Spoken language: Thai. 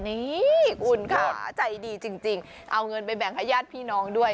นี่คุณค่ะใจดีจริงเอาเงินไปแบ่งให้ญาติพี่น้องด้วย